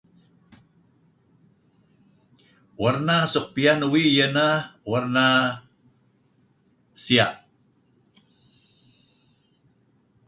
Warna suk piyan uih iyeh neh warna sia'.